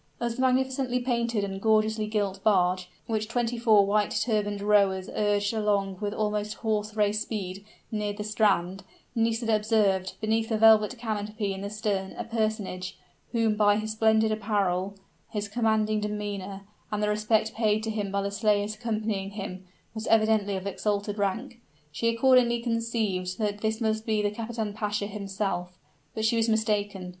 As the magnificently painted and gorgeously gilt barge, which twenty four white turbaned rowers urged along with almost horse race speed, neared the strand, Nisida observed, beneath a velvet canopy in the stern, a personage, who by his splendid apparel, his commanding demeanor, and the respect paid to him by the slaves accompanying him, was evidently of exalted rank. She accordingly conceived that this must be the kapitan pasha himself. But she was mistaken.